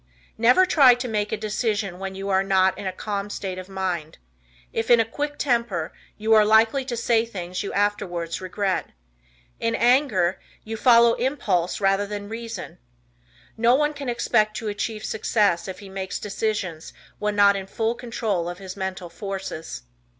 Never try to make a decision when you are not in a calm state of mind. If in a "quick temper," you are likely to say things you afterwards regret. In anger, you follow impulse rather than reason. No one can expect to achieve success if he makes decisions when not in full control of his mental forces.